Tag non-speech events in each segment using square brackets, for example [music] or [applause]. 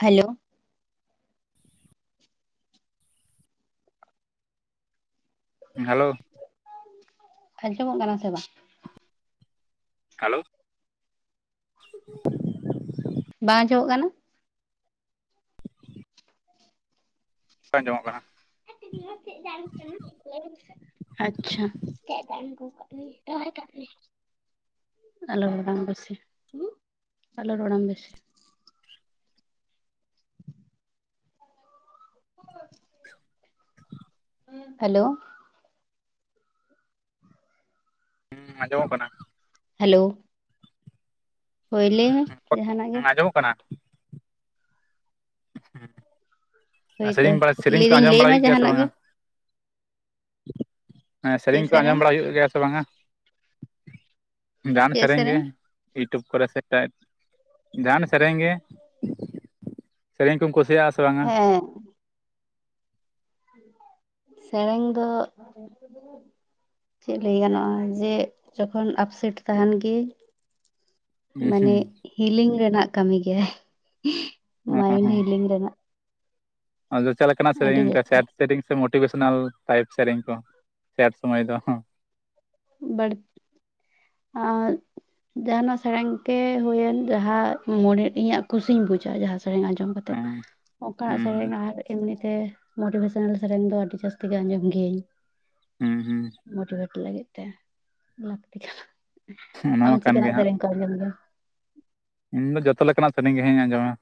Hello! Hello ᱟᱸᱡᱚᱢᱚᱜ ᱠᱟᱱᱟ ᱥᱮ ᱵᱟᱝ? ᱦᱟᱞᱳ ᱵᱟᱝ ᱪᱚᱜᱚᱜ ᱠᱟᱱᱟ? ᱟᱸᱡᱚᱢᱚᱜ ᱠᱟᱱᱟ᱾ ᱱᱚᱣᱟ ᱪᱮᱜ ᱨᱟᱱ ᱠᱟᱱᱟ ᱞᱟᱹᱭ ᱢᱮᱥᱮ ᱟᱪᱪᱷᱟ ᱪᱮᱜ ᱨᱟᱱ ᱟᱜᱩ ᱜᱟᱜ ᱢᱮ ᱛᱟᱼᱛᱟ ᱢᱮ ᱟᱞᱳ ᱨᱚᱲᱟᱝ ᱵᱮᱥᱤ ᱦᱩᱸ ᱟᱞᱳ ᱨᱚᱲᱟᱝ ᱵᱮᱥᱤ [inaudible] ᱦᱮᱞᱳ ᱦᱩᱸ ᱟᱸᱡᱚᱢᱚᱜ ᱠᱟᱱᱟ᱾ ᱦᱮᱞᱳ ᱦᱳᱭ ᱞᱟᱹᱭ ᱢᱮ ᱡᱟᱦᱟᱱᱟᱜ ᱜᱮ ᱟᱸᱡᱚᱢᱚᱜ ᱠᱟᱱᱟ ᱦᱳᱭᱛᱚ ᱥᱮᱨᱮᱧ ᱵᱟᱲᱟ ᱥᱮᱨᱮᱧ ᱠᱚ ᱞᱟᱹᱭᱫᱟᱹᱧ ᱟᱸᱡᱚᱢ ᱞᱟᱹᱭ ᱵᱟᱲᱟ ᱢᱮ ᱦᱩᱭᱩᱜ ᱜᱮᱭᱟ ᱥᱮ ᱡᱟᱦᱟᱱᱟᱜ ᱵᱟᱝᱟ ᱜᱮ ᱦᱮᱸ ᱥᱮᱨᱮᱧ ᱠᱚ ᱟᱸᱡᱚᱢ ᱵᱟᱲᱟ ᱦᱩᱭᱩᱜ ᱜᱮᱭᱟ ᱥᱮ ᱵᱟᱝᱟ ᱡᱟᱦᱟᱱᱟᱜ ᱥᱮᱨᱮᱧ ᱜᱮ ᱤᱭᱩᱴᱩᱵᱽ ᱠᱚᱨᱮ ᱥᱮ ᱡᱟᱦᱟᱱ ᱥᱮᱨᱮᱧ ᱜᱮ ᱥᱮᱨᱮᱧ ᱠᱚᱢ ᱠᱩᱥᱟ ᱥᱟ ᱵᱟᱝ ᱟ ᱦᱮᱸ ᱥᱮᱨᱮᱧ ᱫᱚ ᱪᱮᱫ ᱞᱟᱹᱭ ᱜᱟᱱᱚᱜᱼᱟ ᱡᱮ ᱡᱚᱠᱷᱚᱱ ᱟᱯᱥᱮᱴ ᱛᱟᱦᱮᱱ ᱜᱮᱭᱟᱹᱧ ᱢᱟᱱᱮ ᱦᱤᱞᱤᱝ ᱨᱮᱱᱟᱜ ᱠᱟᱹᱢᱤ ᱜᱮᱭᱟᱭ ᱚ ᱢᱟᱭᱤᱱ ᱦᱚᱸ ᱦᱤᱞᱤᱧ ᱨᱮᱱᱟᱜ ᱟᱫᱚ ᱪᱮᱫ ᱞᱮᱠᱟᱱᱟᱜ ᱟᱹᱰᱤ ᱥᱮᱨᱮᱧ ᱡᱟᱹᱥᱛᱤ ᱥᱮᱴ ᱥᱮᱨᱮᱧ ᱥᱮ ᱢᱳᱴᱤᱵᱷᱮᱥᱚᱱᱟᱞ ᱴᱟᱭᱤᱯ ᱥᱮᱨᱮᱧ ᱠᱚ ᱥᱮᱴ ᱥᱚᱢᱚᱭ ᱫᱚ ᱵᱟᱹᱲ ᱟᱸ ᱡᱟᱦᱟᱱᱟᱜ ᱥᱮᱨᱮᱧ ᱜᱮ ᱦᱩᱭᱮᱱ ᱡᱟᱦᱟᱸ ᱢᱚᱱᱮ ᱤᱧᱟᱹᱜ ᱠᱩᱥᱤᱧ ᱵᱩᱡᱟ ᱡᱟᱦᱟᱸ ᱥᱮᱨᱮᱧ ᱟᱸᱡᱚᱢ ᱠᱟᱛᱮᱜ ᱦᱩᱸ ᱚᱠᱟᱱᱟᱜ ᱥᱮᱨᱮᱧ ᱟᱨ ᱮᱢᱱᱤ ᱛᱮ ᱢᱳᱴᱤᱵᱷᱮᱥᱚᱱᱟᱞ ᱥᱮᱨᱮᱧ ᱫᱚ ᱟᱹᱰᱤ ᱡᱟᱹᱥᱛᱤ ᱜᱮ ᱟᱸᱡᱚᱢ ᱜᱮᱤᱭᱟᱹᱧ ᱦᱩᱸ ᱦᱩᱸ ᱢᱳᱴᱤᱵᱷᱮᱴ ᱞᱟᱹᱜᱤᱫ ᱛᱮ ᱞᱟᱹᱠᱛᱤ ᱠᱟᱱᱟ ᱚᱱᱟ ᱟᱢ ᱢᱟ ᱠᱟᱱ ᱪᱤᱠᱱᱟ ᱜᱮ ᱦᱟᱸᱜ ᱥᱮᱨᱮᱧ ᱠᱚᱢ ᱟᱡᱚᱢ ᱜᱮᱭᱟ ᱤᱧ ᱫᱚ ᱡᱚᱛᱚ ᱞᱮᱠᱟᱱᱟᱜ ᱥᱮᱨᱮᱧ ᱜᱮ ᱦᱮ ᱟᱡᱚᱢᱟ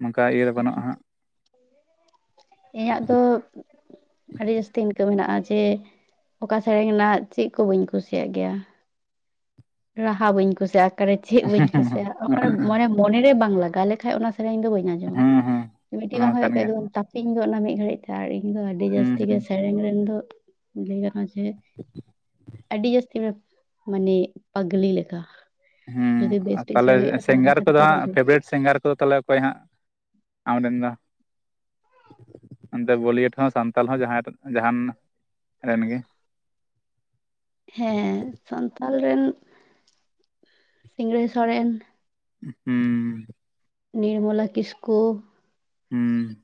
ᱱᱚᱝᱠᱟ ᱤᱭᱟᱹ ᱫᱚ ᱵᱟᱹᱱᱩᱜ ᱦᱟᱸᱜ ᱤᱧᱟᱹᱜ ᱫᱚ ᱟᱹᱰᱤ ᱡᱟᱹᱥᱛᱤ ᱤᱱᱠᱟᱹ ᱢᱮᱱᱟᱜᱼᱟ ᱡᱮ ᱚᱠᱟ ᱥᱮᱨᱮᱧ ᱨᱮᱱᱟᱜ ᱪᱮᱫ ᱠᱚ ᱵᱟᱹᱧ ᱠᱩᱥᱤᱭᱟᱜ ᱜᱮᱭᱟ ᱨᱟᱦᱟ ᱵᱟᱹᱧ ᱠᱩᱥᱤᱭᱟᱜᱼᱟ ᱚᱠᱟᱨᱮ ᱪᱮᱫ ᱵᱟᱹᱧ ᱠᱩᱥᱤᱭᱟᱜᱼᱟ ᱚᱠᱟᱨᱮ ᱢᱚᱱᱮ ᱢᱚᱱᱮᱨᱮ ᱵᱟᱝ ᱞᱟᱜᱟᱣ ᱞᱮᱠᱷᱟᱡ ᱚᱱᱟ ᱤᱧ ᱫᱚ ᱵᱟᱹᱧ ᱟᱡᱚᱢᱟ ᱦᱩᱸ ᱦᱩᱸ ᱢᱤᱫᱴᱤᱡ ᱚᱱᱟ ᱢᱟ ᱵᱟᱝ ᱠᱟᱱ ᱦᱩᱭᱩᱜ ᱜᱮᱭᱟ ᱮ ᱛᱟᱯᱤᱧ ᱜᱚᱫ ᱮᱱᱟ ᱢᱤᱫ ᱜᱷᱟᱹᱲᱤᱡ ᱛᱮ ᱤᱧ ᱫᱚ ᱟᱹᱰᱤ ᱦᱩᱸ ᱡᱟᱹᱥᱛᱤ ᱦᱩᱸ ᱜᱮ ᱥᱮᱨᱮᱧ ᱨᱮᱱ ᱫᱚ ᱞᱟᱹᱭ ᱜᱟᱱᱚᱜ-ᱟ ᱡᱮ ᱟᱹᱰᱤ ᱡᱟᱹᱥᱛᱤ ᱢᱟᱱᱮ ᱯᱟᱜᱽᱞᱤ ᱞᱮᱠᱟ ᱦᱮᱸ ᱡᱩᱫᱤ ᱵᱮᱥ ᱴᱷᱤᱠ ᱛᱟᱦᱚᱞᱮ ᱥᱮᱨᱮᱧ ᱦᱩᱭᱩᱜᱼᱟ ᱛᱟᱦᱚᱞᱮ ᱥᱤᱝᱜᱟᱨ ᱠᱷᱟᱱ ᱠᱚᱫᱚ ᱦᱟᱸᱜ ᱠᱚ ᱯᱷᱮᱵᱟᱨᱤᱴ ᱥᱤᱝᱜᱟᱨ ᱠᱚᱫᱚ ᱛᱟᱦᱚᱞᱮ ᱚᱠᱚᱭ ᱦᱟᱸᱜ ᱟᱢ ᱨᱮᱱ ᱫᱚ ᱚᱱᱛᱮ ᱵᱚᱞᱤᱭᱩᱰ ᱦᱚᱸ ᱥᱟᱱᱛᱟᱞ ᱦᱚᱸ ᱡᱟᱦᱟᱸ ᱡᱟᱦᱟᱱ ᱨᱮᱱ ᱜᱮ ᱦᱮᱸ ᱥᱟᱱᱛᱟᱞ ᱨᱮᱱ ᱥᱤᱝᱨᱟᱹᱭ ᱥᱚᱨᱮᱱ ᱦᱩᱸ ᱱᱤᱨᱢᱚᱞᱟ ᱠᱤᱥᱠᱩ ᱦᱩᱸ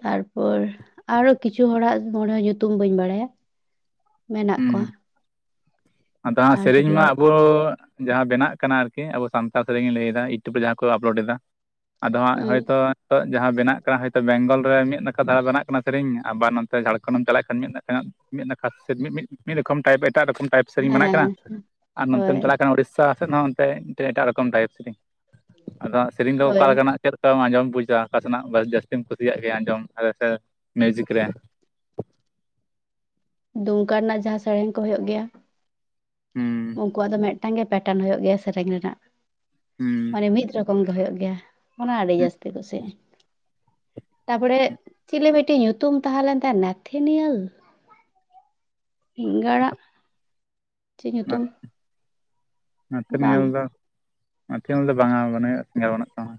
ᱛᱟᱨᱯᱚᱨ ᱟᱨᱦᱚ ᱠᱤᱪᱷᱩ ᱦᱚᱲᱟᱜ ᱢᱟᱱᱮ ᱧᱩᱛᱩᱢ ᱵᱟᱹᱧ ᱵᱟᱲᱟᱭᱟ ᱢᱮᱱᱟᱜ ᱦᱩᱸ ᱠᱚᱣᱟ ᱟᱫᱚ ᱟᱨ ᱥᱮᱨᱮᱧ ᱡᱩᱫᱤ ᱢᱟ ᱦᱩᱸ ᱟᱵᱚ ᱡᱟᱦᱟᱸ ᱵᱮᱱᱟᱜ ᱠᱟᱱᱟ ᱟᱨᱠᱤ ᱟᱵᱚ ᱥᱟᱱᱛᱟᱲ ᱥᱮᱨᱮᱧ ᱞᱟᱹᱭ ᱮᱫᱟ ᱤᱭᱩᱴᱩᱵᱽ ᱨᱮ ᱡᱟᱦᱟᱸ ᱠᱚ ᱟᱯᱞᱳᱰ ᱮᱫᱟ ᱟᱫᱚ ᱦᱟᱸᱜ ᱦᱳᱭᱛᱚ ᱡᱟᱦᱟᱸ ᱵᱮᱱᱟᱜ ᱠᱟᱱᱟ ᱦᱚᱭᱛᱚ ᱵᱮᱝᱜᱚᱞ ᱨᱮ ᱢᱤᱫ ᱱᱟᱠᱷᱟ ᱫᱷᱟᱨᱟ ᱵᱮᱱᱟᱜ ᱠᱟᱱᱟ ᱥᱮᱨᱮᱧ ᱟᱵᱟᱨ ᱱᱚᱛᱮ ᱡᱷᱟᱲᱠᱷᱚᱸᱰ ᱮᱢ ᱪᱟᱞᱟᱜ ᱠᱷᱟᱱ ᱢᱤᱫ ᱢᱤᱫ ᱱᱟᱠᱷᱟ ᱥᱮ ᱢᱤᱫ ᱨᱚᱠᱚᱢ ᱴᱟᱭᱤᱯ ᱮᱴᱟᱜ ᱨᱚᱠᱚᱢ ᱴᱟᱭᱤᱯ ᱥᱮᱨᱮᱧ ᱵᱮᱱᱟᱜ ᱠᱟᱱᱟ ᱦᱮᱸ ᱟᱨ ᱦᱳᱭ ᱱᱚᱛᱮᱢ ᱪᱟᱞᱟᱜ ᱠᱟᱱᱟ ᱩᱲᱤᱥᱥᱟ ᱥᱮᱫ ᱦᱚ ᱮᱴᱟᱜ ᱨᱚᱠᱚᱢ ᱴᱟᱭᱤᱯ ᱥᱮᱨᱮᱧ ᱟᱫᱚ ᱥᱮᱨᱮᱧ ᱫᱚ ᱦᱳᱭ ᱚᱠᱟᱞᱮᱠᱟᱱᱟᱜ ᱪᱮᱫᱠᱟᱢ ᱟᱡᱚᱢ ᱵᱩᱡᱟ ᱚᱠᱟ ᱥᱮᱱᱟᱜ ᱡᱟᱹᱥᱛᱤᱢ ᱠᱩᱥᱤᱭᱟᱜ ᱜᱮ ᱟᱡᱚᱢ ᱥᱮ ᱢᱤᱭᱩᱡᱤᱠ ᱨᱮ ᱫᱩᱢᱠᱟᱹ ᱨᱮᱱᱟᱜ ᱡᱟᱦᱟᱸ ᱥᱮᱨᱮᱧ ᱠᱚ ᱦᱩᱭᱩᱜ ᱜᱮᱭᱟ ᱦᱩᱸ ᱩᱱᱠᱩᱣᱟᱜ ᱫᱚ ᱢᱤᱫᱴᱟᱝ ᱢᱤᱫᱴᱟᱝ ᱜᱮ ᱯᱮᱴᱚᱱ ᱦᱩᱭᱩᱜ ᱜᱮᱭᱟ ᱥᱮᱨᱮᱧ ᱨᱮᱱᱟᱜ ᱦᱩᱸ ᱢᱟᱱᱮ ᱢᱤᱫ ᱨᱚᱠᱚᱢ ᱠᱚᱢ ᱫᱚ ᱦᱩᱭᱩᱜ ᱜᱮᱭᱟ ᱚᱱᱟ ᱟᱹᱰᱤ ᱡᱟᱹᱥᱛᱤ ᱠᱩᱥᱤᱭᱟᱜ ᱟᱹᱧ ᱛᱟᱯᱚᱨᱮ ᱪᱤᱞᱤ ᱢᱤᱫᱴᱤᱡ ᱧᱩᱛᱩᱢ ᱛᱟᱦᱮᱸ ᱞᱮᱱ ᱛᱟᱭᱟ ᱱᱟᱛᱷᱮᱱᱤᱭᱮᱞ ᱤᱜᱟᱲᱟᱜ ᱪᱮᱫ ᱧᱩᱛᱩᱢ ᱱᱚᱛᱮ ᱵᱟᱝ ᱧᱮᱞ ᱫᱚ ᱱᱚᱛᱮ ᱧᱮᱞ ᱫᱚ ᱵᱟᱝᱟ ᱵᱟᱱᱩᱭᱼᱟ ᱵᱟᱹᱱᱩᱜ ᱛᱟᱭᱟ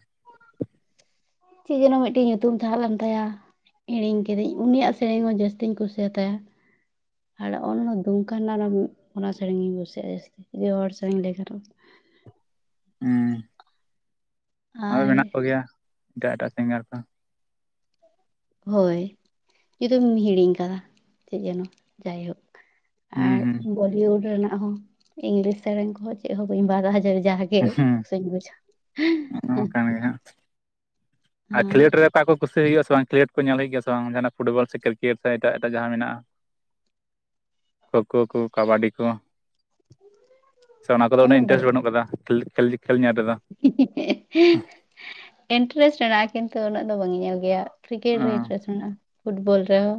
ᱪᱮᱫ ᱡᱮᱱᱚ ᱢᱤᱫᱴᱮᱡ ᱧᱩᱛᱩᱢ ᱛᱟᱦᱮᱸ ᱞᱮᱱ ᱛᱟᱭᱟ ᱦᱤᱲᱤᱧ ᱠᱤᱫᱟᱹᱧ ᱩᱱᱤᱭᱟᱜ ᱥᱮᱨᱮᱧ ᱦᱚᱸ ᱡᱟᱹᱥᱛᱤᱧ ᱠᱩᱥᱤᱭᱟᱛᱟᱭᱟ ᱟᱨ ᱚᱱ ᱫᱩᱢᱠᱟ ᱨᱮᱱᱟᱜ ᱚᱱᱟ ᱥᱮᱨᱮᱧ ᱜᱤᱧ ᱠᱩᱥᱤᱭᱟᱜᱼᱟ ᱡᱟᱹᱥᱛᱤ ᱡᱮ ᱦᱚᱲ ᱥᱮᱨᱮᱧ ᱞᱟᱹᱭᱠᱷᱟᱱ [inaudible] ᱦᱮᱸ ᱟᱨᱦᱚ ᱟᱨ ᱢᱮᱱᱟᱜ ᱠᱚᱜᱮᱭᱟ ᱮᱴᱟᱜ ᱮᱴᱟᱜ ᱥᱤᱝᱜᱟᱨ ᱠᱚ ᱦᱳᱭ ᱡᱩᱫᱤᱢ ᱦᱤᱲᱤᱧ ᱠᱟᱫᱟ ᱪᱮᱫ ᱡᱮᱱᱚ ᱡᱟᱭᱦᱳᱠ ᱦᱩᱸ ᱟᱨ ᱦᱩᱸ ᱵᱚᱞᱤᱭᱩᱰ ᱨᱮᱱᱟᱜ ᱦᱚᱸ ᱤᱝᱞᱤᱥ ᱥᱮᱨᱮᱧ ᱠᱚᱦᱚᱸ ᱪᱮᱫ ᱦᱚᱸ ᱵᱟᱹᱧ ᱵᱟᱫᱷᱟᱭᱟ ᱡᱮ ᱡᱟᱦᱟᱹ ᱜᱮ ᱦᱩᱸ ᱠᱩᱥᱤᱧ ᱵᱩᱪᱟ ᱚᱱᱠᱟᱱ ᱜᱮ ᱦᱟᱸᱜ ᱟᱨ ᱠᱷᱮᱞᱳᱰ ᱨᱮ ᱚᱠᱟ ᱠᱚ ᱠᱩᱥᱤ ᱦᱩᱭᱩᱜᱼᱟ ᱥᱮ [inaudible] ᱠᱷᱮᱞᱳᱰ ᱠᱚ ᱧᱮᱞ ᱦᱩᱭᱩᱜ ᱜᱮᱭᱟ ᱥᱮ ᱵᱟᱝ ᱡᱟᱦᱱᱟᱜ ᱯᱷᱩᱴᱵᱚᱞ ᱥᱮ ᱠᱨᱤᱠᱮᱴ ᱥᱮ ᱮᱴᱟᱜ ᱮᱴᱟᱜ ᱡᱟᱦᱟᱸ ᱢᱮᱱᱟᱜᱼᱟ ᱠᱷᱳᱸ ᱠᱷᱳᱸ ᱠᱚ ᱠᱟᱵᱟᱰᱤ ᱠᱚ ᱥᱮ ᱚᱱᱟ ᱠᱚᱫᱚ ᱩᱱᱟᱹᱜ ᱤᱱᱴᱟᱨᱮᱥᱴ ᱵᱟᱹᱱᱩᱜ ᱠᱟᱫᱟ ᱠᱷᱟᱞᱤ ᱠᱷᱟᱞᱤ ᱤᱱᱴᱟᱨᱮᱥᱴ ᱢᱮᱱᱟᱜ-ᱟ ᱠᱤᱱᱛᱩ ᱩᱱᱟᱹᱜ ᱫᱚ ᱵᱟᱝ ᱤᱧ ᱧᱮᱞ ᱜᱮᱭᱟ ᱠᱨᱤᱠᱮᱴ ᱚ ᱨᱮ ᱤᱱᱴᱟᱨᱮᱥᱴ ᱢᱮᱱᱟᱜᱼᱟ ᱯᱷᱩᱴᱵᱚᱞ ᱨᱮᱦᱚᱸ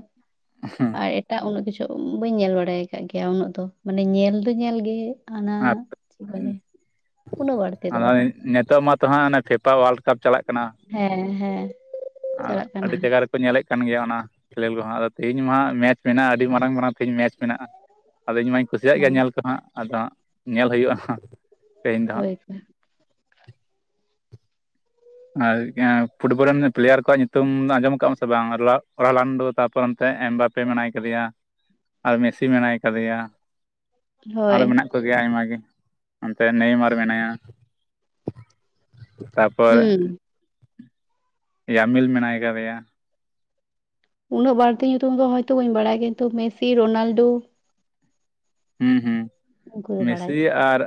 ᱦᱩᱸ ᱟᱨ ᱮᱴᱟᱜ ᱩᱱᱟᱹᱜ ᱠᱤᱪᱷᱩ ᱛᱚ ᱵᱟᱹᱧ ᱧᱮᱞ ᱵᱟᱲᱟᱭ ᱟᱠᱟᱫ ᱜᱮᱭᱟ ᱩᱱᱟᱹᱜ ᱫᱚ ᱢᱟᱱᱮ ᱧᱮᱞ ᱫᱚ ᱧᱮᱞ ᱜᱮ ᱟᱱᱟ ᱟᱨ ᱪᱮᱫ ᱵᱚᱞᱮ ᱩᱱᱟᱹᱜ ᱵᱟᱹᱲᱛᱤ ᱫᱚ ᱟᱫᱚ ᱵᱟᱝ ᱱᱤᱛᱚᱜ ᱢᱟᱛᱚ ᱦᱟᱸᱜ ᱚᱱᱟ ᱯᱷᱮᱯᱟ ᱚᱣᱟᱞᱰ ᱨᱟᱠᱟᱵ ᱪᱟᱞᱟᱜ ᱠᱟᱱᱟ ᱦᱮᱸ ᱦᱮᱸ ᱟᱨ ᱪᱟᱞᱟᱜ ᱟᱹᱰᱤ ᱠᱟᱱᱟ ᱡᱟᱭᱜᱟ ᱨᱮᱠᱚ ᱧᱮᱞᱮᱫ ᱠᱟᱱ ᱜᱮᱭᱟ ᱚᱱᱟ ᱠᱷᱮᱞᱮᱞ ᱨᱮᱦᱚ ᱟᱫᱚ ᱛᱮᱦᱤᱧ ᱢᱟ ᱦᱟᱸᱜ ᱢᱮᱪ ᱢᱮᱱᱟᱜᱼᱟ ᱟᱹᱰᱤ ᱢᱟᱨᱟᱝ ᱢᱟᱨᱟᱝ ᱛᱮᱦᱮᱧ ᱢᱮᱪ ᱢᱮᱱᱟᱜᱼᱟ ᱟᱫᱚ ᱤᱧ ᱢᱟᱧ ᱠᱩᱥᱤᱭᱟᱜ ᱜᱮᱭᱟ ᱦᱳᱭ ᱧᱮᱞ ᱠᱚᱦᱚᱸ ᱦᱟᱸᱜ ᱟᱫᱚ ᱧᱮᱞ ᱦᱩᱭᱩᱜᱼᱟ ᱛᱮᱦᱮᱧ ᱫᱚ ᱦᱟᱸᱜ ᱦᱳᱭ ᱛᱚ ᱟᱨ [inaudible] ᱯᱷᱩᱴᱵᱚᱞ ᱨᱮᱱ ᱯᱞᱮᱭᱟᱨ ᱠᱚᱣᱟᱜ ᱧᱩᱛᱩᱢ ᱟᱸᱡᱚᱢ ᱠᱟᱜ ᱟᱢ ᱥᱮ ᱵᱟᱝ ᱨ ᱞᱟᱱᱰᱩ ᱛᱟᱯᱚᱨ ᱚᱱᱛᱮ ᱮᱢ ᱵᱟᱯᱮ ᱢᱮᱱᱟᱭ ᱠᱟᱫᱮᱭᱟ ᱟᱨ ᱢᱮᱥᱤ ᱢᱮᱱᱟᱭ ᱠᱟᱫᱮᱭᱟ ᱦᱳᱭ ᱟᱨᱦᱚ ᱢᱮᱱᱟᱜ ᱠᱚᱜᱮᱭᱟ ᱟᱭᱢᱟ ᱜᱮ ᱚᱱᱛᱮ ᱱᱮᱭᱢᱟᱨ ᱢᱮᱱᱟᱭᱟ ᱛᱟᱯᱚᱨ ᱦᱩᱸ ᱭᱟᱢᱤᱞ ᱢᱮᱱᱟᱭ ᱠᱟᱫᱮᱭᱟ ᱩᱱᱟᱹᱜ ᱵᱟᱹᱲᱛᱤ ᱧᱩᱛᱩᱢᱫᱚ ᱦᱚᱭᱛᱳ ᱵᱟᱹᱧ ᱵᱟᱲᱟᱭᱟ ᱠᱤᱱᱛᱩ ᱢᱮᱥᱤ ᱨᱳᱱᱟᱞᱰᱳ ᱦᱮᱸ ᱦᱩᱸ ᱩᱱᱠᱩ ᱫᱚ ᱵᱟᱲᱟᱭ ᱢᱮᱥᱤᱤ ᱠᱚᱣᱟ ᱟᱨ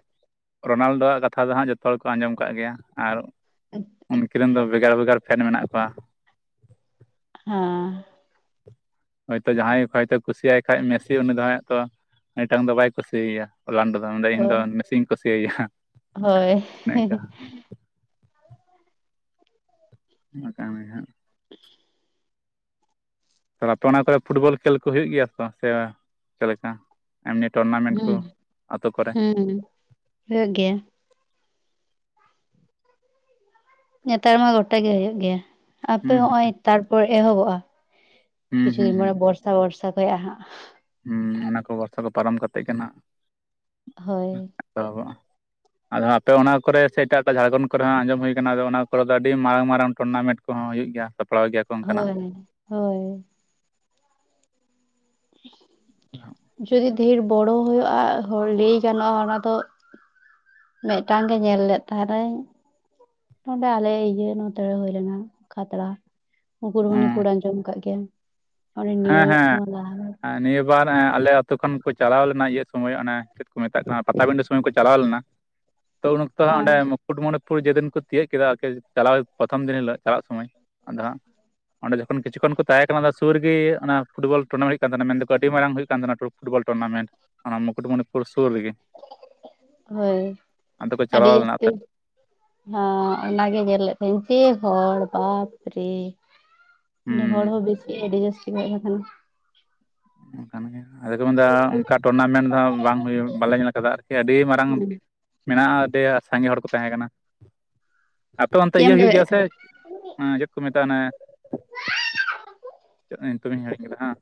ᱨᱳᱱᱟᱞᱰᱳ ᱟᱜ ᱠᱟᱛᱷᱟ ᱫᱚ ᱦᱟᱸᱜ ᱡᱷᱚᱛᱚ ᱦᱚᱲ ᱠᱚ ᱟᱸᱡᱚᱢ ᱠᱟᱜ ᱜᱮᱭᱟ ᱟᱨ ᱩᱱᱠᱤᱨ ᱨᱮᱱ ᱫᱚ ᱵᱷᱮᱜᱟᱨ ᱵᱷᱮᱜᱟᱨ ᱯᱷᱮᱱ ᱢᱮᱱᱟᱜ ᱠᱚᱣᱟ ᱦᱮᱸ ᱦᱚᱭᱛᱳ ᱡᱟᱦᱟᱸᱭ ᱦᱚᱭᱛᱳ ᱠᱩᱥᱤᱭᱟᱭ ᱠᱷᱟᱡ ᱢᱮᱥᱤ ᱩᱱᱤ ᱫᱚ ᱦᱚᱭ ᱛᱚ ᱢᱤᱫᱴᱟᱝ ᱫᱚ ᱵᱟᱭ ᱠᱩᱥᱤᱭᱟᱭᱭᱟ ᱞᱟᱱᱰ ᱫᱚ ᱱᱚᱰᱮ ᱤᱧ ᱦᱳᱭ ᱫᱚ ᱢᱮᱤᱥᱤᱧ ᱠᱩᱥᱤᱭᱟᱭᱟ ᱦᱳᱭ ᱱᱮᱝᱠᱟ ᱚᱱᱟᱠᱟ ᱢᱮ ᱦᱮ ᱛᱟᱦᱟᱞᱮ ᱟᱯᱮ ᱚᱱᱟ ᱠᱚᱨᱮ ᱯᱷᱩᱴᱵᱚᱞ ᱠᱷᱮᱞ ᱠᱚ ᱦᱩᱭᱩᱜ ᱜᱮᱭᱟ ᱛᱚ ᱥᱮ ᱪᱮᱫ ᱞᱮᱠᱟ ᱮᱢᱱᱤ ᱴᱩᱨᱱᱟᱢᱮᱱᱴ ᱦᱩᱸ ᱠᱚ ᱟᱛᱳ ᱠᱚᱨᱮ ᱦᱩᱸ ᱦᱩᱭᱩᱜ ᱜᱮᱭᱟ ᱱᱮᱛᱟᱨ ᱢᱟ ᱜᱚᱴᱟ ᱜᱮ ᱦᱩᱭᱩᱜ ᱜᱮᱭᱟ ᱟᱯᱮ ᱦᱩᱸ ᱦᱚᱸᱜᱼᱚᱭ ᱛᱟᱨᱯᱚᱨ ᱮᱦᱚᱵᱚᱜᱼᱟ ᱦᱩᱸ ᱠᱤᱪᱷᱩ ᱫᱤᱱ ᱢᱚᱨᱮ ᱵᱚᱨᱥᱟ ᱵᱚᱨᱥᱟ ᱠᱷᱚᱡ ᱦᱟᱸᱜ ᱦᱮᱸ ᱚᱱᱟ ᱠᱚ ᱵᱚᱨᱥᱟ ᱠᱚ ᱯᱟᱨᱚᱢ ᱠᱟᱛᱮᱫ ᱜᱮ ᱱᱟᱜ ᱦᱳᱭ ᱮᱛᱚᱦᱚᱵᱚᱜᱼᱟ [inaudible] ᱟᱫᱚ ᱟᱯᱮ ᱚᱱᱟ ᱠᱚᱨᱮ ᱥᱮ ᱮᱴᱟᱜ ᱮᱴᱟᱜ ᱡᱷᱟᱲᱠᱷᱚᱸᱰ ᱠᱚᱨᱮ ᱦᱚᱸ ᱟᱸᱡᱚᱢ ᱦᱩᱭ ᱠᱟᱱᱟ ᱟᱫᱚ ᱚᱱᱟ ᱠᱚᱨᱮ ᱫᱚ ᱟᱹᱰᱤ ᱢᱟᱨᱟᱝ ᱢᱟᱨᱟᱝ ᱴᱩᱨᱱᱟᱢᱮᱱᱴ ᱠᱚᱦᱚᱸ ᱦᱩᱭᱩᱜ ᱜᱮᱭᱟ ᱥᱟᱯᱲᱟᱣ ᱜᱮᱭᱟ ᱠᱚ ᱚᱱᱠᱟᱱᱟᱜ ᱦᱳᱭ ᱦᱳᱭ [inaudible] ᱡᱩᱫᱤ ᱰᱷᱮᱨ ᱵᱚᱲᱚ ᱦᱩᱭᱩᱜᱼᱟ ᱞᱮᱭ ᱜᱟᱱᱚᱜᱼᱟ ᱚᱱᱟ ᱫᱚ [unintelligible] [unintelligible] ᱢᱤᱫᱴᱟᱝ ᱜᱮ ᱧᱮᱞ ᱞᱮᱫ ᱛᱟᱦᱮᱱᱤᱧ ᱱᱚᱸᱰᱮ ᱟᱞᱮ ᱤᱭᱟᱹ ᱱᱚᱛᱮᱨᱮ ᱦᱩᱭᱞᱮᱱᱟ ᱠᱷᱟᱛᱲᱟ ᱢᱩᱠᱩᱴᱢᱩᱱᱤᱯᱩᱨ ᱟᱸᱡᱚᱢ ᱠᱟᱜ ᱜᱮᱭᱟᱢ ᱚᱱᱮ ᱦᱮᱸ ᱱᱤᱭᱟᱹ ᱱᱚᱣᱟ ᱞᱟᱦᱟ ᱦᱮᱸ ᱱᱤᱭᱟᱹ ᱮᱵᱟᱨ ᱟᱞᱮ ᱟᱹᱛᱩ ᱠᱷᱚᱱ ᱠᱚ ᱪᱟᱞᱟᱣ ᱞᱮᱱᱟ ᱤᱭᱟᱹ ᱥᱚᱢᱚᱭ ᱚᱱᱮ ᱪᱮᱫ ᱠᱚ ᱢᱮᱛᱟᱜ ᱠᱟᱱᱟ ᱯᱟᱴᱟᱵᱤᱸᱰᱟᱹ ᱥᱚᱢᱚᱭ ᱠᱚ ᱪᱟᱞᱟᱣ ᱞᱮᱱᱟ [inaudible] ᱛᱚ ᱩᱱ ᱚᱠᱛᱚ ᱦᱮᱸ ᱚᱸᱰᱮ ᱢᱩᱠᱩᱴᱢᱩᱱᱤ ᱯᱩᱨ ᱡᱮᱫᱤᱱ ᱠᱚ ᱛᱤᱭᱳᱟᱹᱜ ᱠᱮᱫᱟ ᱪᱟᱞᱟᱣ ᱯᱨᱚᱛᱷᱚᱢ ᱫᱤᱱ ᱦᱤᱞᱳᱜ ᱪᱟᱞᱟᱜ ᱥᱚᱢᱚᱭ ᱟᱫᱚ ᱦᱟᱸᱜ ᱚᱸᱰᱮ ᱡᱚᱠᱷᱚᱱ ᱠᱤᱪᱩᱚᱱ ᱠᱚ ᱛᱟᱦᱮᱸ ᱠᱟᱱᱟ ᱥᱩᱨ ᱨᱮ ᱚᱱᱟ ᱯᱷᱩᱴᱵᱚᱞ ᱴᱩᱨᱢᱮᱱᱴ ᱦᱩᱭᱩᱜ ᱠᱟᱱ ᱛᱟᱦᱮᱱᱟ ᱢᱮᱱ ᱫᱚᱠᱚ ᱟᱹᱰᱤ ᱢᱟᱨᱟᱝ ᱦᱩᱭᱩᱜ ᱠᱟᱱ ᱛᱟᱦᱮᱱᱟ ᱯᱷᱩᱴᱵᱚᱞ ᱴᱩᱨᱱᱟᱢᱮᱱᱴ ᱚᱱᱟ ᱢᱩᱠᱩᱴᱢᱩᱱᱤᱯᱩᱨ [inaudible] ᱦᱳᱭ ᱟᱫᱚ ᱠᱚ ᱟᱹᱰᱤ ᱪᱟᱞᱟᱣ ᱞᱮᱱᱟ ᱡᱟᱹᱥᱛᱤ ᱦᱮ ᱚ ᱜᱮ ᱧᱮᱞ ᱮᱫ ᱛᱟᱦᱮᱱ ᱯᱮ ᱦᱚᱲ ᱵᱟᱯ ᱨᱮ ᱱᱮ ᱦᱩᱸ ᱦᱚᱲ ᱦᱚᱸ ᱵᱮᱥ ᱴᱤ [unintelligible] ᱚᱱᱠᱟᱱ ᱜᱮ ᱟᱫᱚ ᱠᱚ ᱢᱮᱱ ᱮᱫᱟ ᱚᱱᱠᱟ ᱴᱩᱨᱱᱟᱢᱮᱱᱴ ᱫᱚᱜ ᱵᱟᱝ ᱦᱩᱭᱩᱜ ᱵᱟᱞᱮ ᱧᱮᱞ ᱠᱟᱫᱟ ᱟᱨᱠᱤ ᱟᱹᱰᱤ ᱢᱟᱨᱟᱝ ᱢᱮᱱᱟᱜᱼᱟ ᱟᱹᱰᱤ ᱥᱟᱸᱜᱮ ᱦᱚᱲ ᱠᱚ ᱛᱟᱦᱮᱸ ᱠᱟᱱᱟ ᱟᱯᱮ ᱚᱱᱛᱮ ᱪᱮᱫ ᱤᱭᱟᱹ ᱮᱢ ᱦᱩᱭᱩᱜ ᱜᱮᱭᱟ ᱞᱟᱹᱭᱮᱫ ᱥᱮ ᱛᱟᱦᱮᱸ ᱪᱮᱫ ᱠᱚ ᱢᱮᱛᱟᱜᱼᱟ ᱚᱱᱮ ᱪᱮᱱ ᱧᱩᱛᱩᱢ ᱤᱧ ᱦᱤᱲᱤᱧ ᱠᱟᱫᱟ ᱦᱟᱸᱜ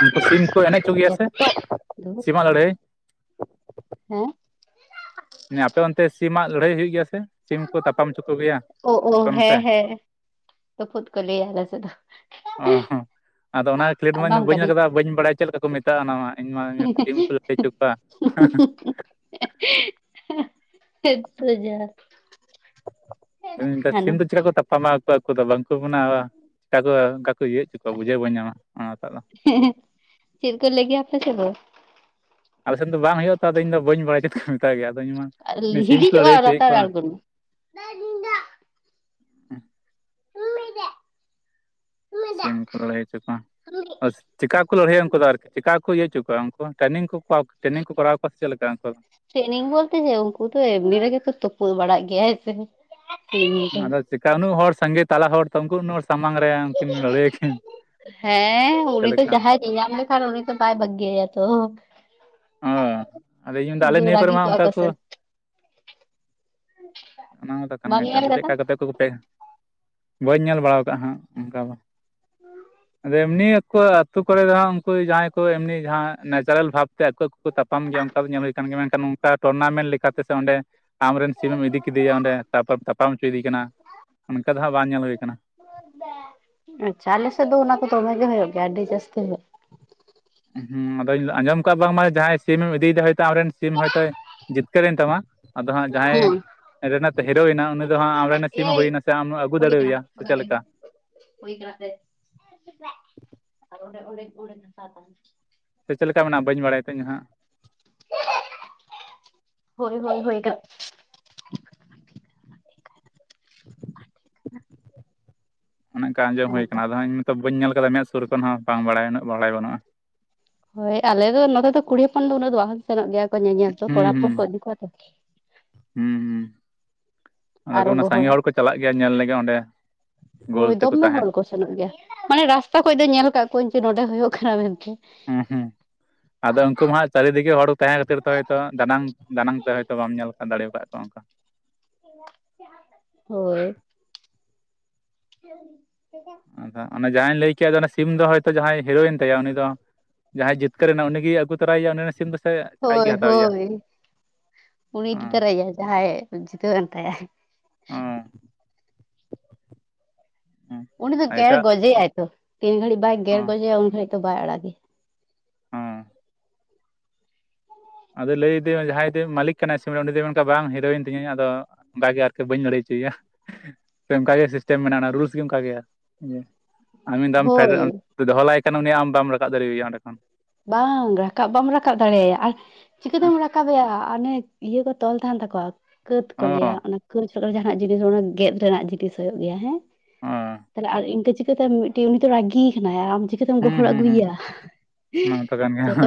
ᱩᱱᱠᱩ ᱥᱤᱢ ᱠᱚ ᱮᱱᱮᱡ ᱦᱚᱪᱚ ᱜᱮᱭᱟ ᱥᱮ ᱮᱛᱚ ᱥᱤᱢ ᱫᱷᱩᱴ ᱞᱟᱹᱲᱦᱟᱹᱭ ᱦᱮᱸ ᱦᱮᱸ ᱟᱯᱮ ᱚᱱᱛᱮ ᱥᱤᱢᱟᱜ ᱞᱟᱹᱲᱦᱟᱹᱭ ᱦᱩᱭᱩᱜ ᱜᱮᱭᱟ ᱥᱤᱢ ᱠᱚ ᱛᱟᱯᱟᱢ ᱦᱚᱪᱚ ᱠᱚ ᱜᱮᱭᱟ ᱟᱯᱮ ᱚᱱᱚᱛᱮ ᱛᱩᱯᱩᱛ ᱠᱚ ᱞᱟᱹᱭᱟ ᱟᱞᱮ ᱥᱮᱫ ᱫᱚ ᱚ ᱦᱚᱸ ᱟᱫᱚ ᱚᱱᱟ ᱠᱷᱮᱞᱳᱰ ᱢᱟᱧ ᱟᱢᱟᱢ ᱵᱟᱹᱧ ᱞ ᱟᱠᱟᱫᱟ ᱠᱟᱹᱱᱟᱹᱧ ᱵᱟᱹᱧ ᱵᱟᱲᱟᱭᱟ ᱪᱮᱫ ᱞᱮᱠᱟ ᱠᱚ ᱢᱮᱛᱟᱜᱼᱟ ᱚᱱᱟ ᱢᱟ ᱤᱧᱢᱟ ᱴᱤᱢ ᱠᱚ ᱞᱟᱹᱭ ᱦᱚᱪᱚ ᱠᱚᱣᱟ ᱦᱮᱸ ᱪᱮᱫ ᱩᱛᱩ ᱡᱟ? ᱤᱧᱠᱟ. ᱦᱟᱱᱮ ᱥᱤᱢ ᱫᱚ ᱪᱤᱠᱟ. ᱠᱚ ᱛᱟᱯᱟᱢᱟ? ᱟᱠᱚ ᱫᱚ ᱵᱟᱝᱠᱚ ᱢᱟᱱᱟᱣᱟ ᱪᱮᱠᱟ ᱠᱚ ᱚᱱᱠᱟ ᱠᱚ ᱤᱭᱟᱹ ᱦᱚᱪᱚ ᱠᱚᱣᱟ ᱵᱩᱡᱷᱟᱹᱣ ᱵᱟᱹᱧ ᱧᱟᱢᱟ ᱚᱱᱟᱴᱟᱜ ᱫᱚ ᱦᱮᱸ ᱦᱮᱸᱦ ᱪᱮᱫ ᱠᱚ ᱞᱮ ᱜᱮᱭᱟ ᱟᱯᱮ ᱥᱮᱫ ᱫᱚ? ᱟᱞᱮ ᱥᱮᱫ ᱫᱚ ᱵᱟᱝ ᱦᱩᱭᱩᱜᱼᱟ ᱛᱚ ᱟᱫᱚ ᱤᱧᱫᱚ ᱵᱟᱹᱧ ᱵᱟᱲᱟᱭ ᱪᱮᱫ ᱠᱚ ᱢᱮᱛᱟ ᱜᱮᱭᱟ ᱥᱤᱢ ᱠᱚ ᱞᱟ. ᱲᱟᱹᱭ ᱦᱤᱸᱜᱤᱡᱚᱜᱼᱟ ᱦᱚᱪᱚᱭᱮᱫ ᱞᱟᱛᱟᱨ ᱠᱚᱣᱟ ᱟᱬᱜᱚᱱᱟ ᱦᱮᱸ ᱢᱤᱫ ᱫᱮᱜ ᱥᱤᱢ ᱠᱚ ᱞᱟᱹᱲᱦᱟᱹᱭ ᱦᱚᱪᱚ ᱠᱚᱣᱟ ᱟᱨ ᱪᱤᱠᱟ. ᱠᱚ ᱞᱟᱹᱲᱦᱟᱹᱭᱟ ᱩᱱᱠᱩ ᱫᱚ ᱟᱨᱠᱤ ᱪᱤᱠᱟ. ᱤᱭᱟᱹᱪᱚ ᱠᱚᱣᱟ ᱩᱱᱠᱩ ᱴᱨᱮᱱᱤᱝ ᱠᱚ ᱠᱚᱣᱟ ᱴᱨᱮᱱᱤᱝ ᱠᱚ ᱠᱚᱨᱟᱣ ᱠᱚᱣᱟ ᱥᱮ ᱪᱮᱫ ᱞᱮᱠᱟ ᱩᱱᱠᱩ ᱴᱨᱮᱱᱤᱝ ᱵᱚᱞᱛᱮ ᱡᱮ ᱩᱱᱠᱩ ᱫᱚ ᱮᱢᱱᱤ ᱨᱮᱜᱮ ᱛᱚ ᱛᱩᱯᱩᱫ ᱵᱟᱲᱟᱜ ᱜᱮᱭᱟᱭ ᱦᱮᱸ ᱦᱮᱸ ᱟᱫᱚ ᱪᱮᱠᱟ. ᱩᱱᱟᱹᱜ ᱦᱚᱲ ᱥᱟᱸᱜᱮ ᱛᱟᱞᱟ ᱦᱚᱲ ᱛᱚ ᱩᱱᱠᱩ ᱩᱱᱟᱹᱜ ᱦᱚᱲ ᱥᱟᱢᱟᱝ ᱨᱮ ᱩᱱᱠᱤᱱ ᱞᱟᱹᱲᱦᱟᱹᱭᱟᱠᱤᱱ? ᱦᱮᱸ ᱪᱮᱫ ᱩᱱᱤ ᱫᱚ ᱞᱮᱠᱟ ᱡᱟᱦᱟᱸᱭ ᱧᱟᱢ ᱞᱮᱠᱷᱟᱱ ᱩᱱᱤ ᱛᱚ ᱵᱟᱭ ᱵᱟᱹᱜᱤᱭᱟᱭᱟ ᱛᱚ ᱚ ᱟᱫᱚ ᱤᱧ ᱢᱮᱱᱫᱟ ᱟᱞᱮ ᱩᱱᱠᱩ ᱱᱤᱭᱟᱹ ᱠᱚᱨᱮ ᱨᱟᱹᱜᱤ ᱢᱟ ᱠᱚᱜᱼᱟ ᱚᱱᱠᱟ ᱠᱚ ᱥᱮ ᱚᱱᱟ ᱫᱚ ᱠᱟᱱ ᱵᱟᱢ ᱜᱮ ᱟᱫᱚ ᱧᱮᱞ ᱪᱮᱫ ᱠᱟᱫᱟ ᱞᱮᱠᱟ ᱠᱟᱛᱮ ᱠᱚᱯᱮ ᱵᱟᱹᱧ ᱧᱮᱞ ᱵᱟᱲᱟ ᱠᱟᱜ ᱦᱟᱸᱜ ᱚᱱᱠᱟ ᱫᱚ ᱦᱩᱸ ᱟᱫᱚ ᱮᱢᱱᱤ ᱟᱠᱚ ᱟᱛᱳ ᱠᱚᱨᱮ ᱫᱚ ᱦᱟᱸᱜ ᱩᱱᱠᱩ ᱡᱟᱦᱟᱸᱭ ᱠᱚ ᱮᱢᱱᱤ ᱡᱟᱦᱟᱸ ᱱᱮᱪᱟᱨᱮᱞ ᱵᱷᱟᱵ ᱛᱮ ᱟᱠᱚᱣᱟᱜ ᱠᱚᱠᱚ ᱛᱟᱯᱟᱢ ᱜᱮᱭᱟ ᱚᱱᱠᱟ ᱫᱚ ᱧᱮᱞ ᱦᱩᱭ ᱟᱠᱟᱱ ᱜᱮᱭᱟ ᱢᱮᱱᱠᱷᱟᱱ ᱚᱱᱠᱟ ᱴᱩᱨᱱᱟᱢᱮᱸᱴ ᱞᱮᱠᱟᱛᱮ ᱥᱮ ᱚᱸᱰᱮ ᱟᱢ ᱨᱮᱱ ᱥᱤᱢᱮᱢ ᱤᱫᱤ ᱠᱮᱫᱮᱭᱟ ᱚᱸᱰᱮ ᱛᱟᱯᱚᱨ ᱛᱟᱯᱟᱢ ᱦᱚᱪᱚ ᱭᱮᱫᱮ ᱠᱟᱱᱟ ᱚᱱᱠᱟ ᱫᱚ ᱦᱟᱸᱜ ᱵᱟᱝ ᱧᱮᱞ ᱦᱩᱭ ᱠᱟᱱᱟ ᱟᱪᱷᱟ ᱟᱞᱮ ᱥᱮ ᱫᱩ ᱚᱱᱟ ᱠᱚ ᱫᱚ ᱵᱟᱝ ᱜᱮ ᱦᱩᱭᱩᱜ ᱜᱮᱭ ᱜᱟᱰᱤ ᱡᱟᱹᱥᱛᱤ ᱦᱮᱸ ᱟᱫᱚᱧ ᱟᱸᱡᱚᱢ ᱠᱟᱜ ᱵᱟᱝᱢᱟ ᱡᱟᱦᱟᱸᱭ ᱥᱤᱢ ᱤᱫᱤᱭᱟᱛ ᱟᱢᱨᱮᱱ ᱥᱤᱢ ᱦᱚᱭᱛᱳ ᱡᱤᱛᱠᱟᱹᱨ ᱮᱱ ᱛᱟᱢᱟ ᱟᱫᱚ ᱦᱟᱸᱜ ᱦᱩᱸ ᱡᱟᱦᱟᱸᱭ ᱨᱮᱱᱟᱜ ᱦᱤᱨᱳᱭᱮᱱᱟ ᱩᱱᱤ ᱫᱚ ᱦᱟᱸᱜ ᱟᱢᱱ ᱥᱤᱢ ᱮᱭ ᱦᱩᱭᱱᱟ ᱥᱮ ᱟᱢ ᱟᱹᱜᱩ ᱦᱩᱭ ᱠᱟᱱᱟ ᱫᱟᱲᱮᱣᱟᱭᱟ ᱥᱮ ᱵᱟᱜᱟᱣ ᱪᱮᱫ ᱵᱟᱹᱧ ᱞᱮᱠᱟ? ᱦᱩᱭ ᱠᱟᱱᱟ ᱥᱮ ᱚᱸᱰᱮ ᱚᱸᱰᱮ ᱥᱮ ᱪᱮᱫ ᱞᱮᱠᱟ ᱢᱮᱱᱟᱜᱼᱟ ᱵᱟᱹᱧ ᱵᱟᱲᱟᱭᱟ ᱛᱚ ᱤᱧ ᱦᱟᱸᱜ ᱦᱳᱭ ᱦᱳᱭ ᱦᱳᱭ [inaudible] [unintelligible] [unintelligible] ᱚᱱᱮ ᱚᱱᱠᱟ ᱟᱸᱡᱚᱢ ᱦᱩᱭ ᱚᱱᱟᱛᱮ ᱟᱠᱟᱱᱟ ᱟᱫᱚ ᱤᱧ ᱱᱤᱛᱚᱜ ᱵᱟᱹᱧ ᱧᱮᱞ ᱠᱟᱫᱟ ᱢᱮᱥ ᱥᱩᱨ ᱠᱷᱚᱱ ᱦᱚᱸ ᱵᱟᱝ ᱵᱟᱲᱟᱭ ᱩᱱᱟᱹ ᱵᱟᱲᱟᱭ ᱵᱟᱹᱱᱩᱜᱼᱟ ᱦᱳᱭ ᱟᱞᱮ ᱫᱚ ᱱᱚᱛᱮ ᱫᱚ ᱠᱩᱲᱤ ᱦᱚᱯᱚᱱ ᱫᱚ ᱩᱱᱟᱹᱜ ᱫᱚ ᱵᱟᱝ ᱥᱮᱱᱚᱜ ᱜᱮᱭᱟ ᱧᱮᱧᱮᱞ ᱛᱚ ᱦᱩᱸ ᱠᱚᱲᱟ ᱦᱚᱯᱚᱱ ᱦᱩᱸ ᱠᱚ ᱤᱫᱤ ᱠᱚᱣᱟ ᱛᱚ ᱚᱸᱰᱮ ᱠᱚ ᱟᱨᱚ ᱥᱟᱸᱜᱮ ᱜᱚᱦᱚᱲᱟᱭ ᱦᱚᱲ ᱠᱚ ᱪᱟᱞᱟᱜ ᱜᱮᱭᱟ ᱧᱮᱞ ᱞᱮᱜᱮ ᱚᱸᱰᱮ ᱜᱳᱞ ᱦᱳᱭ ᱛᱮᱠᱚ ᱫᱚᱢᱮ ᱛᱟᱦᱮᱱ ᱦᱚᱲ ᱠᱚ ᱥᱮᱱᱚᱜ ᱜᱮᱭᱟ ᱢᱟᱱᱮ ᱨᱟᱥᱛᱟ ᱠᱷᱚᱱ ᱫᱚ ᱧᱮᱞ ᱠᱟᱜ ᱠᱚᱣᱟᱹᱧ ᱡᱮ ᱱᱚᱸᱰᱮ ᱦᱩᱭᱩᱜ ᱠᱟᱱᱟ ᱢᱮᱱᱛᱮ ᱦᱮᱸ ᱦᱮᱸ ᱟᱫᱚ ᱩᱱᱠᱩ ᱢᱟ ᱦᱟᱸᱜ ᱪᱟᱨᱮ ᱫᱤᱜᱮ ᱦᱚᱲ ᱠᱚ ᱛᱟᱦᱮᱸ ᱠᱷᱟᱹᱛᱤᱨ ᱛᱮ ᱫᱟᱱᱟᱝ ᱫᱟᱱᱟᱝ ᱛᱮ ᱵᱟᱢ ᱧᱮᱞ ᱫᱟᱲᱮᱠᱟᱫ ᱠᱚᱣᱟ ᱚᱱᱠᱟ ᱦᱳᱭ [inaudible] ᱚᱱᱟᱮ ᱡᱟᱦᱟᱸᱧ ᱞᱟᱹᱭ ᱥᱤᱢ ᱫᱚ ᱦᱚᱭᱛᱚ ᱡᱟᱦᱟᱸᱭ ᱦᱤᱨᱳᱭᱤᱱ ᱛᱟᱭᱟ ᱩᱱᱤ ᱫᱚ ᱡᱟᱦᱟᱸᱭ ᱡᱤᱛᱠᱟᱹᱨ ᱮᱱᱟ ᱩᱱᱤᱜᱮᱭ ᱟᱹᱜᱩ ᱛᱚᱨᱟᱭᱮ ᱟ ᱩᱱᱤ ᱥᱤᱢ ᱫᱚ ᱥᱮ ᱟᱡᱜᱮ ᱦᱳᱭ ᱦᱟᱛᱟᱣᱮᱭᱟ ᱦᱳᱭ ᱩᱱᱤ ᱤᱫᱤ ᱚᱸ ᱛᱟᱨᱟᱭᱮᱭᱟ ᱡᱟᱦᱟᱸᱭ ᱡᱤᱛᱟᱹᱣᱮᱱ ᱛᱟᱭᱟ [inaudible] ᱚᱸ ᱩᱱᱤ ᱫᱚ ᱟᱨ ᱜᱮᱨ ᱮᱴᱟᱜ ᱜᱚᱡᱮ ᱟᱭᱛᱚ ᱛᱤᱱ ᱜᱷᱟᱹᱲᱤᱡ ᱵᱟᱭ ᱜᱮᱨ ᱚᱸ ᱜᱚᱡᱮᱭᱟ ᱩᱱ ᱜᱷᱟᱹᱲᱤᱡ ᱛᱚ ᱵᱟᱭ ᱟᱲᱟᱜᱮᱭᱟ ᱟᱫᱚᱭ ᱞᱟᱹᱭ ᱟᱫᱮ ᱡᱟᱦᱟᱸᱭ ᱫᱚ ᱢᱟᱹᱞᱤᱠ ᱠᱟᱱᱟᱭ ᱥᱤᱢ ᱨᱮ ᱩᱱᱤ ᱫᱚᱭ ᱵᱟᱝ ᱦᱤᱨᱳᱭᱤᱱ ᱛᱤᱧ ᱟᱫᱚ ᱚᱱᱠᱟ ᱜᱮ ᱟᱨᱠᱤ ᱵᱟᱹᱧ ᱞᱟᱹᱲᱟᱹᱭ ᱚᱱᱠᱟᱜᱮ ᱥᱤᱥᱴᱮᱢ ᱢᱮᱱᱟᱜᱼᱟ ᱨᱩᱞᱥ ᱜᱮ ᱚᱱᱠᱟ ᱜᱮᱭᱟ ᱟᱢ ᱢᱤᱫ ᱫᱟᱢ ᱯᱷᱮᱰ ᱦᱳᱭ ᱫᱚᱦᱚ ᱞᱟᱭ ᱠᱟᱱᱟ ᱩᱱᱤᱭ ᱟᱢ ᱵᱟᱢ ᱨᱟᱠᱟᱵ ᱫᱟᱲᱮᱣᱟᱭᱟ ᱚᱸᱰᱮ ᱠᱷᱚᱱ ᱵᱟᱝ ᱨᱟᱠᱟᱵ ᱵᱟᱢ ᱨᱟᱠᱟᱵ ᱫᱟᱲᱮᱭᱟᱭᱟ ᱟᱨ ᱪᱤᱠᱟᱹᱛᱮᱢ ᱨᱟᱠᱟᱵᱮᱭᱟ ᱚᱱᱮ ᱤᱭᱟᱹ ᱠᱚ ᱛᱚᱞ ᱛᱟᱦᱮᱱ ᱛᱟᱠᱚᱣᱟ ᱠᱟᱹᱫ ᱠᱚ ᱚ ᱞᱟᱹᱭᱟ ᱚᱱᱟ ᱠᱟᱹᱡᱽ ᱡᱟᱦᱱᱟᱜ ᱡᱤᱱᱤᱥ ᱚᱱᱟ ᱜᱮᱫ ᱨᱮᱱᱟᱜ ᱡᱤᱱᱤᱥ ᱦᱩᱭᱩᱜ ᱜᱮᱭᱟ ᱦᱮᱸ ᱚ ᱛᱟᱦᱞᱮ ᱟᱨ ᱤᱱᱠᱟᱹ ᱪᱤᱠ ᱪᱤᱠᱟᱹᱛᱮ ᱢᱤᱫᱴᱤᱱ ᱩᱱᱤ ᱫᱚ ᱨᱟᱹᱜᱤ ᱠᱟᱱᱟᱭ ᱟᱢ ᱪᱤᱠᱟᱹᱛᱮᱢ ᱜᱚᱦᱚᱲ ᱟᱜᱩ ᱮᱭᱟ ᱢᱟ ᱛᱚ ᱠᱟᱱ ᱜᱮᱭᱟ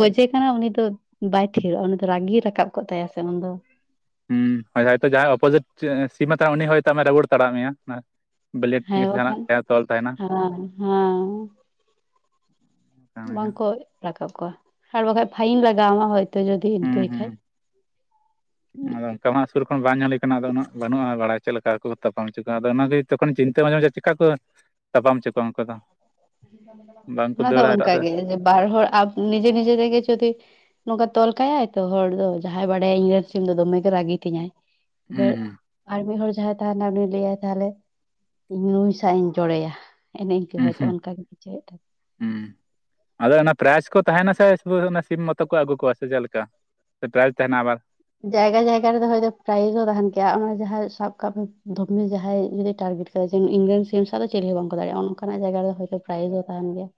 ᱜᱚᱡᱮ ᱠᱟᱱᱟ ᱩᱱᱤ ᱫᱚ ᱵᱟᱭ ᱛᱷᱤᱨᱚᱜᱼᱟ ᱩᱱᱤ ᱫᱚ ᱨᱟᱹᱜᱤ ᱨᱟᱠᱟᱵ ᱠᱚᱜ ᱛᱟᱭᱟ ᱥᱮ ᱩᱱᱤ ᱫᱚ ᱦᱮᱸ ᱦᱳᱭ ᱦᱚᱭᱛᱳ ᱡᱟᱦᱟᱸᱭ ᱚᱯᱳᱚᱡᱤᱴ ᱥᱤᱢ ᱛᱟᱦᱮ ᱩᱱᱤ ᱦᱚᱭᱛᱳ ᱟᱢᱮ ᱨᱟᱵᱳᱲ ᱛᱟᱲᱟ ᱢᱮᱭᱟ ᱵᱞᱮᱰ ᱦᱮᱸ ᱛᱮᱜᱮ ᱥᱮ ᱡᱟᱦᱟᱱᱟᱜ ᱵᱟᱠᱷᱟᱱ ᱛᱮ ᱛᱚᱞ ᱛᱟᱦᱮᱱᱟ ᱦᱮᱸ ᱦᱮᱸ ᱵᱟᱝᱠᱚ ᱨᱟᱠᱟᱵ ᱠᱚᱣᱟ ᱟᱨ ᱵᱟᱠᱟᱱ ᱯᱷᱟᱭᱤᱱ ᱞᱟᱜᱟᱢᱟ ᱦᱚᱭᱛᱳ ᱡᱚᱫᱤ ᱦᱩᱸ ᱤᱱᱠᱟᱹᱭ ᱦᱩᱸ ᱠᱷᱟᱱ [inaudible] ᱥᱩᱨ ᱠᱷᱚᱱ ᱵᱟᱝ ᱧᱮᱞ ᱦᱳᱭ ᱠᱟᱱᱟ ᱟᱫᱚ ᱩᱱᱟᱹᱜ ᱵᱟᱹᱱᱩᱜᱼᱟ ᱵᱟᱲᱟᱭ ᱪᱮᱫ ᱞᱮᱠᱟ ᱠᱚ ᱛᱟᱯᱟᱢ ᱦᱚᱪᱚ ᱠᱚᱣᱟ ᱟᱫᱚ ᱚᱱᱟᱜ ᱛᱚᱠᱷᱚᱱ ᱪᱤᱱᱛᱟᱹ ᱢᱟᱡᱮᱢᱟᱡᱷᱮ ᱪᱤᱠᱟ ᱠᱚ ᱛᱟᱯᱟᱢ ᱦᱚᱪᱚ ᱠᱚᱣᱟ ᱩᱱᱠᱟ ᱫᱚ ᱵᱟᱝᱠᱚ ᱚᱱᱟ ᱫᱚ ᱫᱟᱹᱲᱟ ᱮᱴᱟᱜ ᱚᱱᱠᱟ ᱥᱮᱫ ᱜᱮ ᱵᱟᱨ ᱦᱚᱲ ᱱᱤᱡᱮ ᱱᱤᱡᱮ ᱛᱮᱜᱮ ᱡᱩᱫᱤ ᱱᱚᱝᱠᱟ ᱛᱚᱞ ᱠᱟᱭᱟᱭ ᱛᱚ ᱦᱚᱲ ᱫᱚ ᱡᱟᱦᱟᱸᱭ ᱵᱟᱰᱟᱭᱟ ᱤᱧᱨᱮᱱ ᱥᱤᱢ ᱫᱚ ᱫᱚᱢᱮᱭ ᱨᱟᱹᱜᱤ ᱛᱤᱧᱟᱭ ᱦᱩᱸ ᱮᱵᱟᱨ ᱦᱩᱸ ᱟᱨ ᱢᱤᱫ ᱦᱚᱲ ᱡᱟᱦᱟᱸᱭ ᱛᱟᱦᱮᱱᱟ ᱩᱱᱤ ᱞᱟᱹᱭᱟᱭ ᱛᱟᱦᱚᱞᱮ ᱤᱧ ᱱᱩᱭ ᱥᱟᱶ ᱤᱧ ᱡᱚᱲᱮᱭᱟ ᱮᱱᱮ ᱤᱱᱠᱟᱹ ᱦᱩᱸ ᱚᱱᱠᱟ ᱜᱮ ᱵᱩᱡᱷᱟᱹᱣᱮᱫ ᱛᱟᱦᱮᱸ ᱟᱫᱚ ᱯᱨᱟᱭᱤᱡ ᱠᱚ ᱛᱟᱦᱮᱱᱟ ᱥᱮ ᱥᱤᱢ ᱢᱚᱛᱚ ᱠᱚ ᱟᱹᱜᱩ ᱠᱚᱣᱟ ᱥᱮ ᱪᱮᱞᱮᱠᱟ ᱥᱮ ᱯᱨᱟᱭᱤᱡ ᱛᱟᱦᱮᱱᱟ ᱟᱵᱟᱨ ᱡᱟᱭᱜᱟ ᱡᱟᱭᱜᱟ ᱨᱮᱫᱚ ᱦᱚᱭᱛᱚ ᱯᱨᱟᱭᱤᱡ ᱦᱚᱸ ᱛᱟᱦᱮᱱ ᱠᱮᱭᱟ ᱚᱱᱟ ᱡᱟᱦᱟᱸᱭ ᱥᱟᱵ ᱠᱟᱜ ᱢᱮ ᱡᱟᱦᱟᱸᱭ ᱡᱩᱫᱤ ᱤᱧ ᱨᱮᱱ ᱥᱤᱢ ᱥᱟᱶ ᱪᱮᱞᱮ ᱦᱚᱸ ᱵᱟᱝᱠᱚ ᱫᱟᱲᱮᱭᱟᱜᱼᱟ ᱚᱱᱠᱟᱱᱟᱜ ᱡᱟᱭᱜᱟ ᱨᱮ ᱦᱚᱭᱛᱳ ᱯᱨᱟᱭᱤᱡᱽ ᱦᱚᱸ ᱛᱟᱦᱮᱱ ᱜᱮᱭᱟ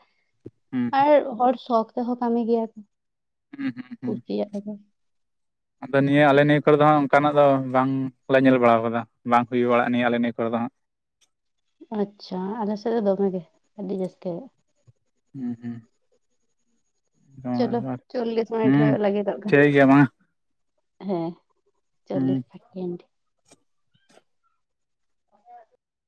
ᱦᱩᱸ ᱟᱨ ᱦᱚᱲ ᱥᱳᱠᱷ ᱛᱮᱦᱚᱸ ᱠᱟᱹᱢᱤ ᱜᱮᱭᱟ ᱦᱩᱸ ᱦᱩᱸ ᱦᱩᱸ ᱠᱩᱥᱤᱭᱟᱜ ᱟᱫᱚ ᱟᱫᱚ ᱱᱤᱭᱟᱹ ᱟᱞᱮ ᱱᱤᱭᱟᱹ ᱠᱚᱨᱮ ᱫᱚ ᱦᱟᱜ ᱚᱱᱠᱟᱱᱟᱜ ᱫᱚ ᱵᱟᱝᱞᱮ ᱧᱮᱞ ᱵᱟᱲᱟ ᱠᱟᱫᱟ ᱵᱟᱝ ᱦᱩᱭ ᱵᱟᱲᱟᱜᱼᱟ ᱱᱤᱭᱟᱹ ᱟᱞᱮ ᱱᱤᱭᱟᱹ ᱠᱚᱨᱮ ᱫᱚ ᱦᱟᱸᱜ ᱟᱪᱪᱷᱟ ᱟᱞᱮ ᱥᱮᱫ ᱫᱚ ᱫᱚᱢᱮᱜᱮ ᱟᱹᱰᱤ ᱡᱟᱹᱥᱛᱤ ᱦᱮᱸ ᱦᱮᱸ ᱪᱚᱞᱚ ᱪᱚᱞᱞᱤᱥ ᱢᱤᱱᱤᱴ ᱦᱩᱸ ᱦᱩᱭᱩᱜ ᱞᱟᱹᱜᱤᱫᱚᱜ ᱴᱷᱤᱠ ᱜᱮᱭᱟ ᱢᱟ ᱦᱮᱸ ᱦᱩᱸ ᱪᱚᱞᱞᱤᱥ ᱥᱮᱠᱮᱱᱰ